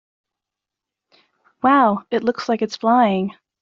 Wow! It looks like it is flying!